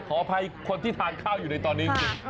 ขออภัยคนที่ทานข้าวอยู่ในตอนนี้จริง